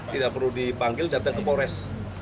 tidak perlu dipanggil datang ke polres